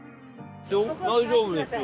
大丈夫ですよ。